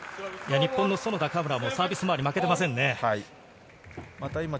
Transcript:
日本の園田・嘉村のサービスまわり、負けていませんね。